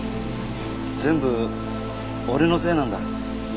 全部俺のせいなんだ。